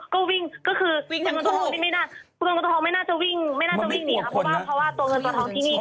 ก็วิ่งคือตัวเงินตัวทองไม่น่าจะวิ่งหนีครับเพราะว่าตัวเงินตัวทองที่นี่